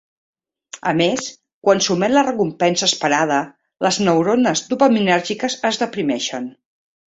A més, quan s'omet la recompensa esperada les neurones dopaminèrgiques es deprimeixen.